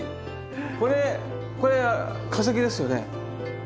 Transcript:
これこれは化石ですよね。